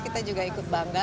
kita juga ikut bangga